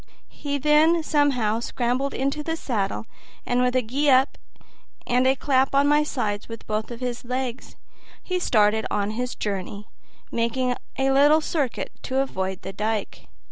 He then somehow scrambled into the saddle, and with a "Gee up" and a clap on my sides with both his legs, he started on his journey, making a little circuit to avoid the dike.